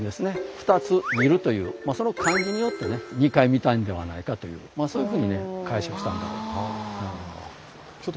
「二つ見る」というその漢字によってね二回見たんではないかというそういうふうにね解釈したんだろうと。